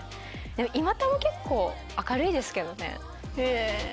岩田も結構明るいですけどね。